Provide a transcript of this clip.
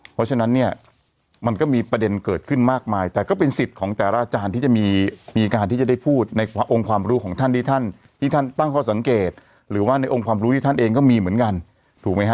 เพราะฉะนั้นเนี่ยมันก็มีประเด็นเกิดขึ้นมากมายแต่ก็เป็นสิทธิ์ของแต่ละอาจารย์ที่จะมีการที่จะได้พูดในองค์ความรู้ของท่านที่ท่านที่ท่านตั้งข้อสังเกตหรือว่าในองค์ความรู้ที่ท่านเองก็มีเหมือนกันถูกไหมฮะ